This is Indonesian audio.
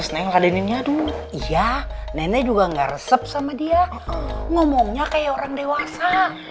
neng ada ini aduh iya nenek juga enggak resep sama dia ngomongnya kayak orang dewasa